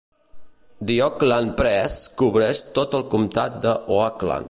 "The Oakland Press" cobreix tot el Comtat de Oakland.